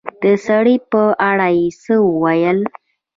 د سړي په اړه يې څه وويل